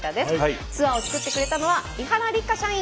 ツアーを作ってくれたのは伊原六花社員。